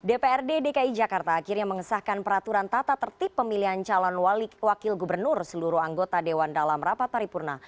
dprd dki jakarta akhirnya mengesahkan peraturan tata tertib pemilihan calon wakil gubernur seluruh anggota dewan dalam rapat paripurna